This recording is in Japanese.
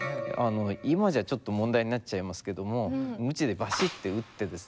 今じゃちょっと問題になっちゃいますけども鞭でバシッて打ってですね